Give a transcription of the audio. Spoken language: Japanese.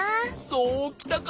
そうきたか！